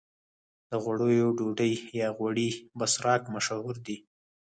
د غوړیو ډوډۍ یا غوړي بسراق مشهور دي.